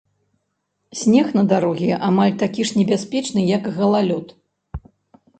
Снег на дарозе амаль такі ж небяспечны як галалёд.